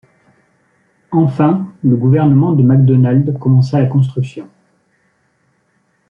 Enfin le gouvernement de Macdonald commença la construction.